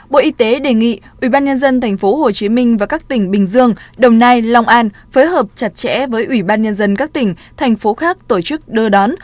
bộ y tế đề nghị ủy ban nhân dân thành phố hồ chí minh và các tỉnh bình dương đồng nai long an phối hợp chặt chẽ với ủy ban nhân dân các tỉnh thành phố khác tổ chức đưa đón